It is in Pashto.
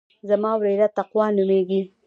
زما وريره تقوا نوميږي.